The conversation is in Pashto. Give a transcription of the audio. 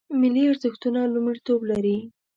ملي ارزښتونه لومړیتوب لري